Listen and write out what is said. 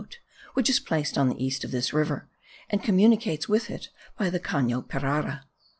which is placed on the east of this river, and communicates with it by the Cano Pirara.